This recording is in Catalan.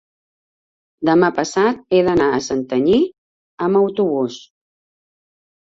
Demà passat he d'anar a Santanyí amb autobús.